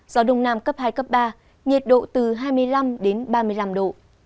gió đông nam cấp hai cấp ba nhiệt độ từ hai mươi năm đến ba mươi năm độ